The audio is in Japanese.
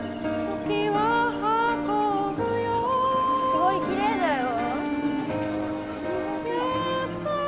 すごいきれいだよ。